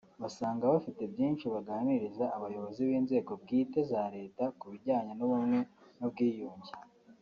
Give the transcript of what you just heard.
basanga bafite byinshi baganiriza abayobozi b’inzego bwite za Leta ku bijyanye n’ubumwe n’ubwiyunge